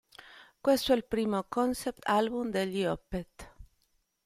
Questo è il primo concept album degli Opeth.